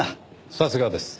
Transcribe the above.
さすがです。